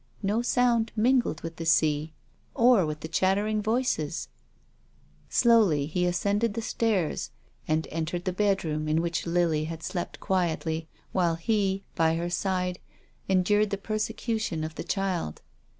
No sound mingled with the sea, or with the chattering voices. Slowly he ascended the stairs and entered the THE LIVING CHILD. 247 bedroom, in which Lily had slept quietly, while he, by her side, endured the persecution of the child.